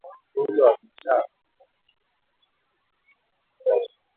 Ugonjwa wa kichaa kwa mnyama husababisha kifo siku mbili hadi tatu